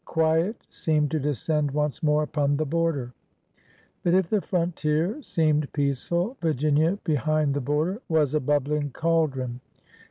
Quiet seemed to descend once more upon the border. But, if the frontier seemed peaceful, Virginia be hind the border was a bubbling cauldron.